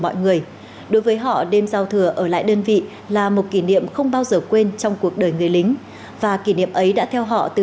quốc gia là một kỷ niệm không bao giờ quên trong cuộc đời người lính và kỷ niệm ấy đã theo họ từ